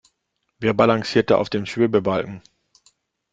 Wer balanciert da auf dem Schwebebalken?